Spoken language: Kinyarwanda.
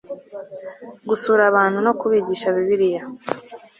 gusura abantu no kubigisha Bibiliya